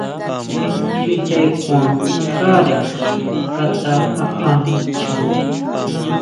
Xi je kuan xáre Kata jaʼa ncha.